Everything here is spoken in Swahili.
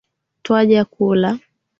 Twaja kula.